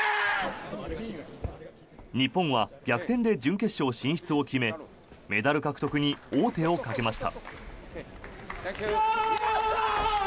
日本は逆転で準決勝進出を決めメダル獲得に王手をかけました。